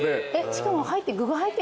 しかも具が入って。